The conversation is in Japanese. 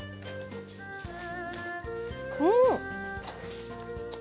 うん！